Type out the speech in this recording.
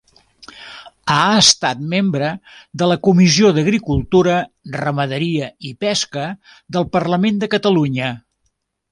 Ha estat membre de la Comissió d'Agricultura, Ramaderia i Pesca del Parlament de Catalunya.